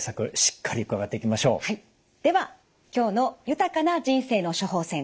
はいでは今日の「豊かな人生の処方せん」